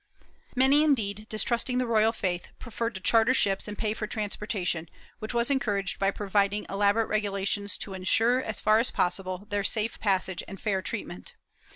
Many, indeed, distrusting the royal faith, preferred to charter ships and pay for transportation, which was encouraged by providing elaborate regulations to ensure, as far as possible, their safe passage and fair treatment.